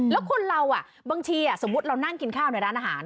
แล้วคนเราบางทีสมมุติเรานั่งกินข้าวในร้านอาหาร